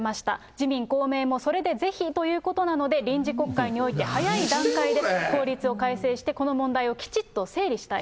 自民、公明もそれでぜひということなので、臨時国会において、早い段階で法律を改正して、この問題をきちっと整理したい。